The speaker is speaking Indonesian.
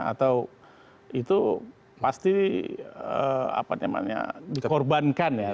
atau itu pasti dikorbankan ya